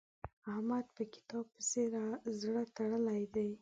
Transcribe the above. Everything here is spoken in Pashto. احمد په کتاب پسې زړه تړلی دی.